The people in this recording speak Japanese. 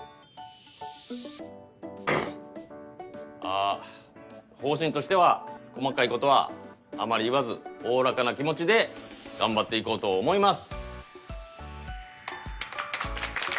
あ方針としては細かいことはあまり言わず大らかな気持ちで頑張っていこうと思います。